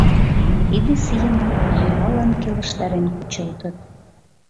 Тиде сийымак йӱлалан келыштарен кучылтыт.